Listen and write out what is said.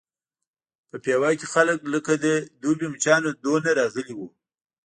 په پېوه کې خلک لکه د دوبي مچانو دومره راغلي وو.